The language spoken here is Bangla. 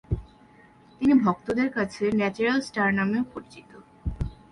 তিনি ভক্তদের কাছে ন্যাচারাল স্টার নামেও পরিচিত।